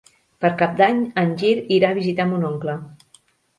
Per Cap d'Any en Gil irà a visitar mon oncle.